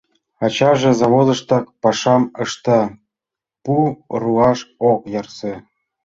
Ачаже заводыштак пашам ышта, пу руаш ок ярсе.